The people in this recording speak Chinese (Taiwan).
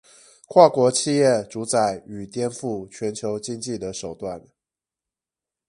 跨國企業主宰與顛覆全球經濟的手段